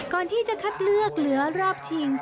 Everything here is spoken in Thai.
ก่อนที่จะคัดเลือกเหลือรอบชิง